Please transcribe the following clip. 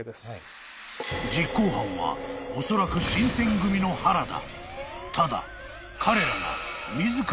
［実行犯はおそらく新選組の原田］